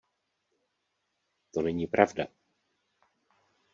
To není pravda.